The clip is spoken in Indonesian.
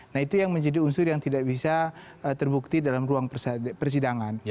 nah itu yang menjadi unsur yang tidak bisa terbukti dalam ruang persidangan